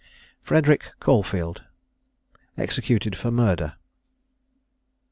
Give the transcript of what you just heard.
FREDERICK CAULFIELD. EXECUTED FOR MURDER.